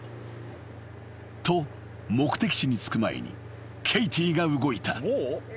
［と目的地に着く前にケイティが動いた］